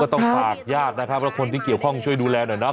ต้องฝากญาตินะครับแล้วคนที่เกี่ยวข้องช่วยดูแลหน่อยนะ